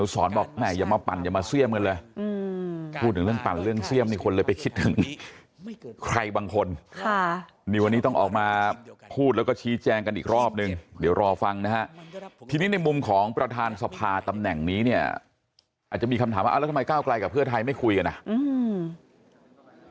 จะมีคำถามว่าทำไมก้าวกลายกับเพื่อไทยไม่คุยกัน